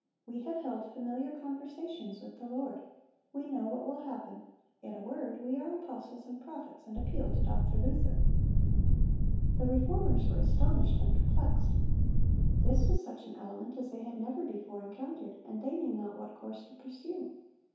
We have held familiar conversations with the Lord; we know what will happen; in a word, we are apostles and prophets, and appeal to Doctor Luther."(265) The Reformers were astonished and perplexed. This was such an element as they had never before encountered, and they knew not what course to pursue.